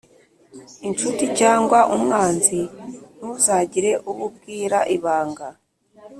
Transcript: incuti cyangwa umwanzi, ntuzagire uwo ubwira ibanga,